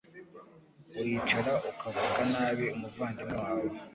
Uricara ukavuga nabi umuvandimwe wawe